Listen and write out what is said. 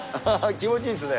気持ちいいっすね。